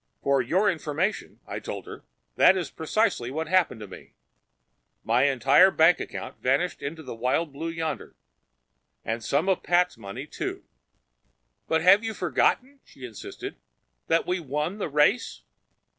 "For your information," I told her, "that is precisely what happened to me. My entire bank account vanished into the wild blue yonder. And some of Pat's money, too." "But have you forgotten," she insisted, "that we won the race?